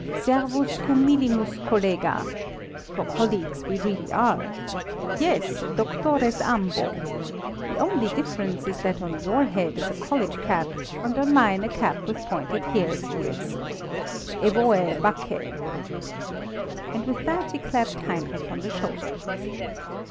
"Servus humillimus collega! For colleagues we really are. Yes, doctores ambo! The only difference is that on your head is a college cap, and on mine a cap with pointed hare's ears. Evoe Bacche!" And with that he clapped Heinrich on the shoulder.